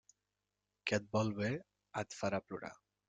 Qui et vol bé, et farà plorar.